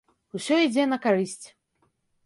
Усё ідзе на карысць.